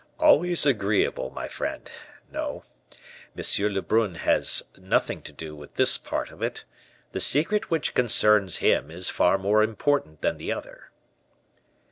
"Always agreeable, my friend. No, Monsieur Lebrun has nothing to do with this part of it; the secret which concerns him is far more important than the other."